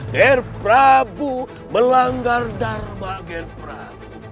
ger prabu melanggar dharma ger prabu